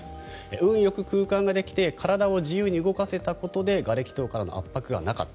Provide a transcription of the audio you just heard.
運よく空間ができて体を自由に動かせたことでがれき等からの圧迫がなかった。